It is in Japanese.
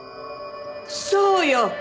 そうよ！